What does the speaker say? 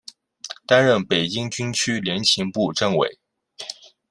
担任北京军区联勤部政委。